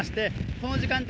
この時間帯